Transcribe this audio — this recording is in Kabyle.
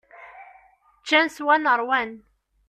Ččan, swan, ṛwan.